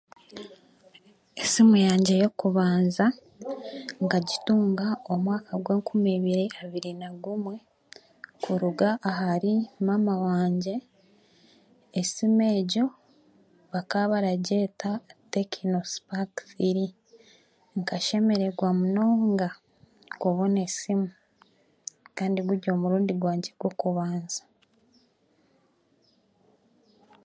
Esimu yangye y'okubanza nkagitunga omu mwaka gw'enkum ibiri abiri na gumwe, kuruga ahari maama wangye, esimu egyo bakaba baragyeta Tekino sipaaka thiri. Nkashemeregwa munonga kubona esimu, kandi guri omurundi gwangye gw'okubanza.